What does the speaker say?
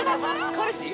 彼氏？